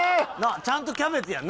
ちゃんとキャベツやんな。